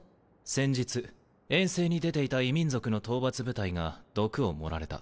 先日遠征に出ていた異民族の討伐部隊が毒を盛られた。